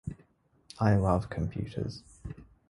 I love computers.